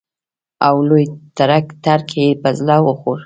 او لوی تړک یې په زړه وخوړ.